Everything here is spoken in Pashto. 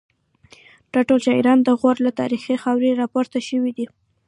دا ټول شاعران د غور له تاریخي خاورې راپورته شوي دي